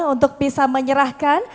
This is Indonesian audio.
untuk bisa menyerahkan